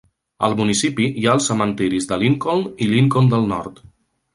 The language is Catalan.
Al municipi hi ha els cementiris de Lincoln i Lincoln del Nord.